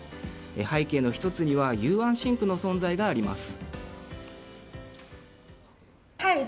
背景の１つには雄安新区の存在があります。